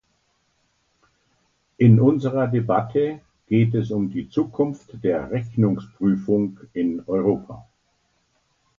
In unserer Debatte geht es um die Zukunft der Rechnungsprüfung in Europa.